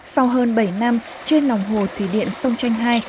sau hơn bảy năm trên lòng hồ thủy điện sông chanh hai